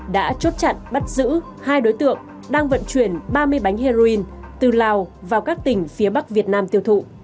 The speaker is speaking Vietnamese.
đã chốt chặn bắt giữ hai đối tượng đang vận chuyển ba mươi bánh heroin từ lào vào các tỉnh phía bắc việt nam tiêu thụ